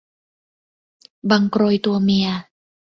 บังโกรยตัวเมีย